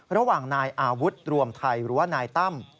ระหว่างนายอาวุธรวมไทยหรือว่านายตั้ม